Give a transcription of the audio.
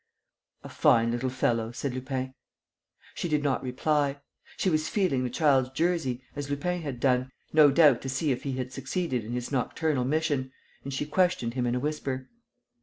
"A fine little fellow," said Lupin. She did not reply. She was feeling the child's jersey, as Lupin had done, no doubt to see if he had succeeded in his nocturnal mission; and she questioned him in a whisper.